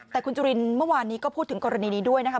แต่คุณจุลินเมื่อวานนี้ก็พูดถึงกรณีนี้ด้วยนะคะ